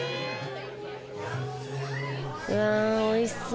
うわおいしそう。